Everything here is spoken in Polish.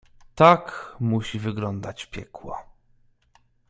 "Tak musi wyglądać piekło."